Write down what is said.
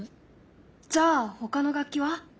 じゃあほかの楽器は？